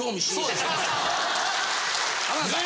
浜田さん